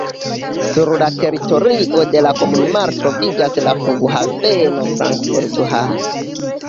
Sur la teritorio de la komunumaro troviĝas la flughaveno Frankfurt-Hahn.